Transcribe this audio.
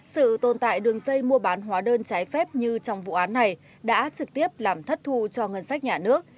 sự tồn tại đường dây mua bán hóa đơn trái phép như trong vụ án này đã trực tiếp làm thất thu cho ngân sách nhà nước